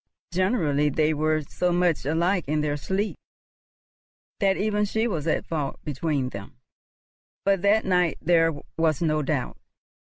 Generally they were so much alike in their sleep that even she was at fault between them; but that night there was no doubt.